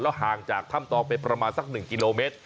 แล้วห่างจากถ้ำตองไปประมาณสักหนึ่งกิโลเมตร